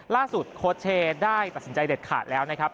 โค้ชเชย์ได้ตัดสินใจเด็ดขาดแล้วนะครับ